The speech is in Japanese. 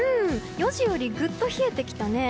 ４時よりぐっと冷えてきたね。